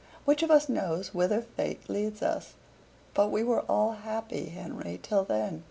Which of us knows whither fate leads us? But we were all happy, Henry, till then."